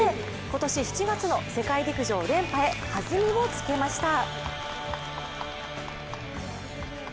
今年７月の世界陸上連覇へはずみをつけました。